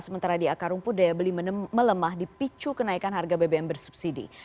sementara di akar rumput daya beli melemah di picu kenaikan harga bbm bersubsidi